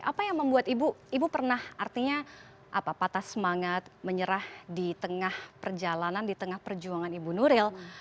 apa yang membuat ibu pernah artinya patah semangat menyerah di tengah perjalanan di tengah perjuangan ibu nuril